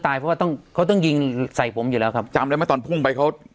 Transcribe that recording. เพราะว่าต้องเขาต้องยิงใส่ผมอยู่แล้วครับจำได้ไหมตอนพุ่งไปเขา